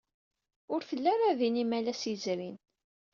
Ur telli ara din imalas yezrin.